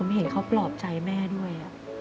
เห็นเขาปลอบใจแม่ด้วย